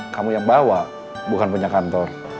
kamu yang bawa bukan punya kantor